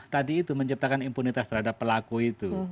tadi itu menciptakan impunitas terhadap pelaku itu